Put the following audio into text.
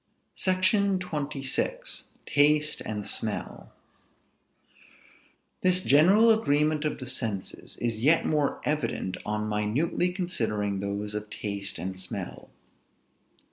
SECTION XXVI. TASTE AND SMELL. This general agreement of the senses is yet more evident on minutely considering those of taste and smell.